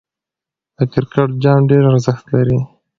د کرکټ جام ډېر ارزښت لري.